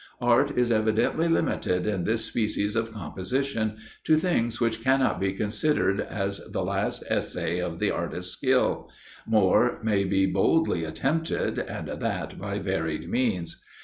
Art is evidently limited in this species of composition, to things which cannot be considered as the last essay of the artist's skill more may be boldly attempted, and that by varied means.